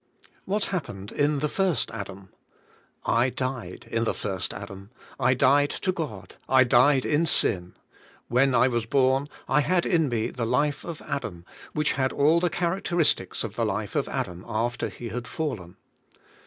What happened in the first Adam? I died, in the first Adam ; I died to God ; I died in sin. When I was born, I had in me the life of Adam, which had all the characteristics of the life of Adam after he had fallen.